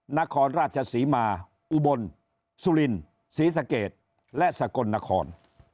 นครราชศรีมาอุบลสุรินศรีสะเกดและสกลนคร